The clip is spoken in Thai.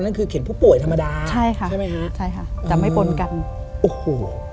นั่นคือเข็นผู้ป่วยธรรมดาใช่ค่ะใช่ไหมฮะใช่ค่ะแต่ไม่ปนกันโอ้โห